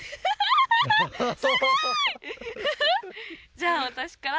じゃあ私から。